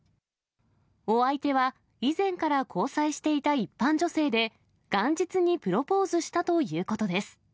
お相手は、以前から交際していた一般女性で、元日にプロポーズしたということです。